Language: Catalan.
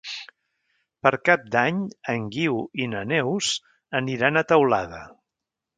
Per Cap d'Any en Guiu i na Neus aniran a Teulada.